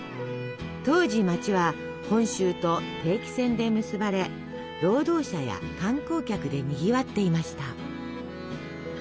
当時街は本州と定期船で結ばれ労働者や観光客でにぎわっていました。